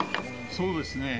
そうですね。